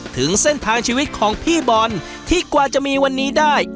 ถึงเส้นทางชีวิตของพี่บอลที่กว่าจะมีวันนี้ได้